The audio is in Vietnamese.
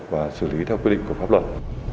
và xử lý theo quy định của pháp luật